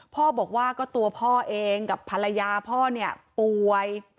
พ่อบอกว่าก็ตัวพ่อเองกับภรรยาพ่อเนี่ยป่วย